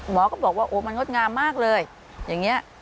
หมอก็บอกว่ามันงดงามมากเลย